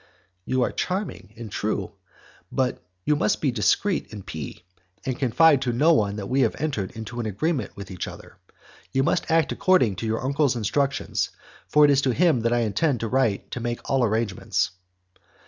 "You are charming and true; but you must be discreet in P , and confide to no one that we have entered into an agreement with each other. You must act according to your uncle's instructions, for it is to him that I intend to write to make all arrangements."